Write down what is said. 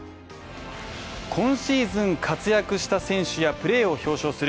今シーズン活躍した選手やプレーを表彰する